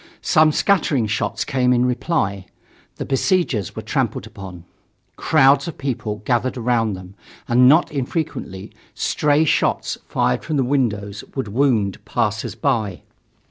Some scattering shots came in reply. The besiegers were trampled upon. Crowds of people gathered around them, and not infrequently stray shots fired from the windows would wound passers by.